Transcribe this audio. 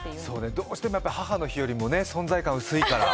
どうしても母の日よりも存在感、薄いから。